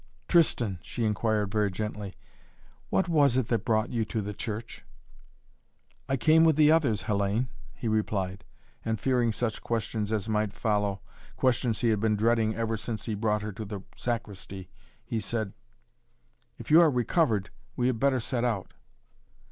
"Tristan," she inquired very gently, "what was it that brought you to the church?" "I came with the others, Hellayne," he replied, and, fearing such questions as might follow questions he had been dreading ever since he brought her to the sacristy, he said: "If you are recovered, we had better set out."